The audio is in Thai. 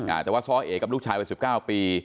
อ่าแต่ว่าซ้อเอลูกชายเป็น๑๙ปี